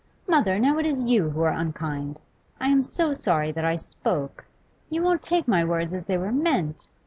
'Mother, now it is you who are unkind. I am so sorry that I spoke. You won't take my words as they were meant.